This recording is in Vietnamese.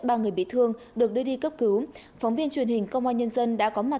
ba người bị thương được đưa đi cấp cứu phóng viên truyền hình công an nhân dân đã có mặt